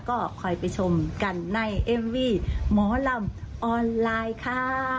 ก็คอยไปชมกันในเอ็มวี่หมอลำออนไลน์ค่ะ